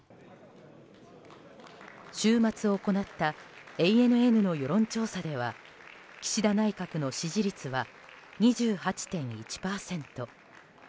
週末行ったＡＮＮの世論調査では岸田内閣の支持率は２８．１％。